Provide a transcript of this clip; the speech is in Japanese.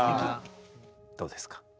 どうですか。